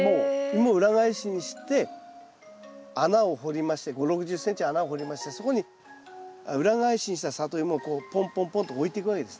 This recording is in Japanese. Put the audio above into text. イモ裏返しにして穴を掘りまして５０６０ｃｍ穴を掘りましてそこに裏返しにしたサトイモをこうポンポンポンと置いていくわけですね。